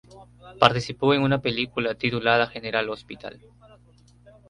Participó en una película titulada General Hospital.